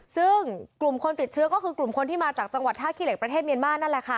ซึ่งกลุ่มคนติดเชื้อก็คือกลุ่มคนที่มาจากจังหวัดท่าขี้เหล็กประเทศเมียนมานั่นแหละค่ะ